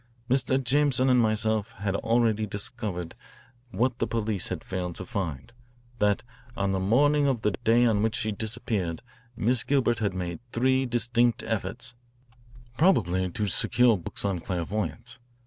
"Mr. Jameson and myself had already discovered what the police had failed to find, that on the morning of the day on which she disappeared Miss Gilbert had made three distinct efforts, probably, to secure books on clairvoyance.